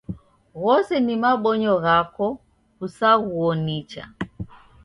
Ghose ni mabonyo ghako kusaghuo nicha.